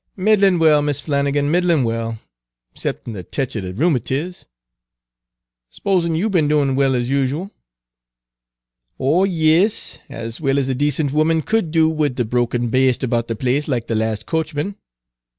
Page 238 "Middlin' well, Mis' Flannigan, middlin' well, 'ceptin' a tech er de rheumatiz. S'pose you be'n doin' well as usual?" "Oh yis, as well as a decent woman could do wid a drunken baste about the place like the lahst coachman.